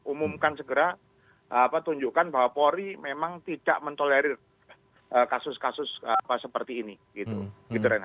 umumkan segera tunjukkan bahwa polri memang tidak mentolerir kasus kasus seperti ini gitu rena